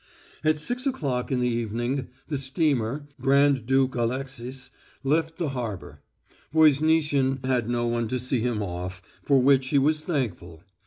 At six o'clock in the evening the steamer Grand Duke Alexis left the harbour. Voznitsin had no one to see him off, for which he was thankful.